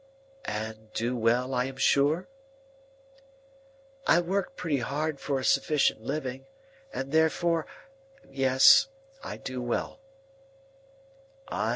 "And do well, I am sure?" "I work pretty hard for a sufficient living, and therefore—yes, I do well."